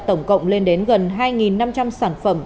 tổng cộng lên đến gần hai năm trăm linh sản phẩm